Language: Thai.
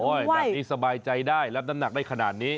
แบบนี้สบายใจได้รับน้ำหนักได้ขนาดนี้